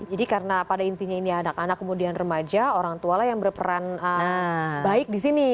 jadi karena pada intinya ini anak anak kemudian remaja orang tua lah yang berperan baik di sini